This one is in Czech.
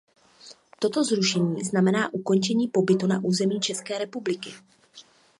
Toto zrušení znamená ukončení pobytu na území České republiky.